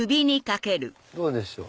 どうでしょう？